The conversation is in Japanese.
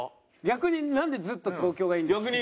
逆になんでずっと東京がいいんですか？